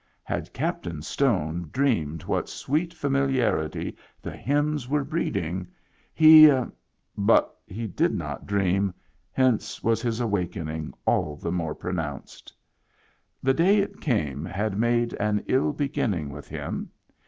Had Captain Stone dreamed what sweet familiarity the hymns were breeding, he — but he did not dream, hence was his awakening all the more pronounced. The day it came had made an ill beginning with him.